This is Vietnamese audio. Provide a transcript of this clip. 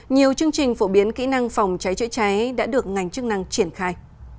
nhiều chương trình phổ biến kỹ năng phòng cháy chữa cháy đã được ngành chức năng triển khai